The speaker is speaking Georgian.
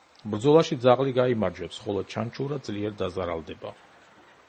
ბრძოლაში ძაღლი გაიმარჯვებს, ხოლო ჩანჩურა ძლიერ დაზარალდება.